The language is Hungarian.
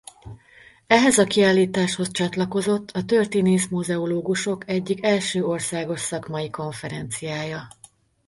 Ehhez a kiállításhoz csatlakozott a történész-muzeológusok egyik első országos szakmai konferenciája.